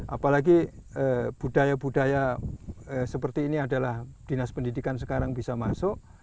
apalagi budaya budaya seperti ini adalah dinas pendidikan sekarang bisa masuk